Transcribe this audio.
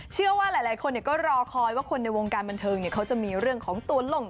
เชื่อว่าหลายคนก็รอคอยว่าคนในวงการบันเทิงเขาจะมีเรื่องของตัวลง